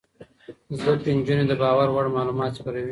زده کړې نجونې د باور وړ معلومات خپروي.